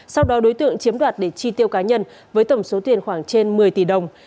sau đó đối tượng chiếm đoạt để chi tiêu cá nhân với tổng số tiền khoảng trên một mươi tỷ đồng